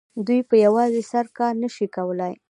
دوی په یوازې سر کار نه شي کولای